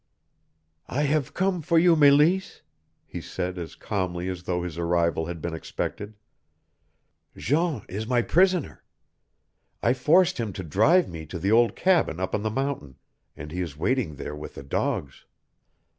"I have come for you, Meleese," he said as calmly as though his arrival had been expected. "Jean is my prisoner. I forced him to drive me to the old cabin up on the mountain, and he is waiting there with the dogs.